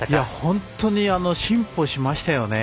本当に進歩しましたよね。